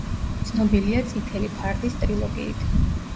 ცნობილია „წითელი ფარდის“ ტრილოგიით.